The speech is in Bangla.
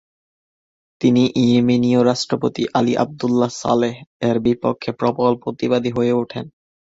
তিনি ইয়েমেনীয় রাষ্ট্রপতি আলী আবদুল্লাহ সালেহ-এর বিপক্ষে প্রবল প্রতিবাদী হয়ে উঠেন।